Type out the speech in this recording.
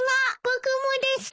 僕もです！